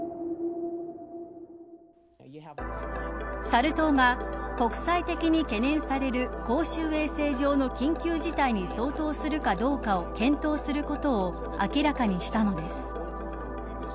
サル痘が国際的に懸念される公衆衛生上の緊急事態に相当するかどうかを検討することを明らかにしたのです。